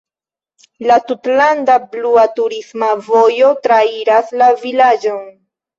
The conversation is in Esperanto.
La "Tutlanda "blua" turista vojo" trairas la vilaĝon.